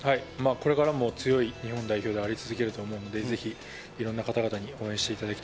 これからも強い日本代表であり続けると思うんで、ぜひ、いろんな方々に応援していただき